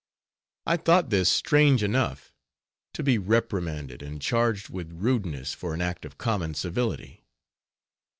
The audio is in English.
I thought this strange enough, to be reprimanded, and charged with rudeness for an act of common civility.